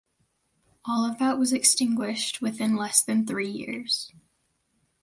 All of that was extinguished within less than three years.